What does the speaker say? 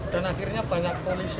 dan akhirnya banyak polisi